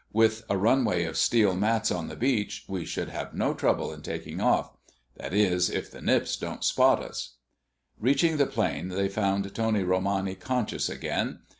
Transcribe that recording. With a runway of steel mats on the beach we should have no trouble in taking off. That is, if the Nips don't spot us!" Reaching the plane they found Tony Romani conscious again.